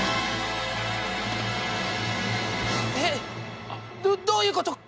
えっどういうこと？